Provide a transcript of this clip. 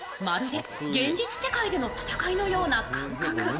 まるで現実世界での戦いのような感覚。